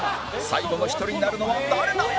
最後の一人になるのは誰だ？